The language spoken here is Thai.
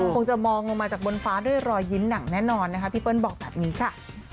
คงจะมองลงมาจากบนฟ้าด้วยรอยยิ้มอย่างแน่นอนนะคะพี่เปิ้ลบอกแบบนี้ค่ะ